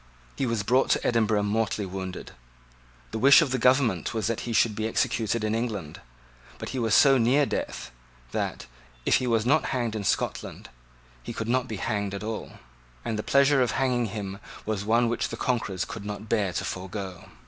He was brought to Edinburgh mortally wounded. The wish of the government was that he should be executed in England. But he was so near death, that, if he was not hanged in Scotland, he could not be hanged at all; and the pleasure of hanging him was one which the conquerors could not bear to forego.